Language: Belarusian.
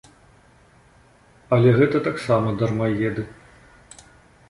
Але гэта таксама дармаеды.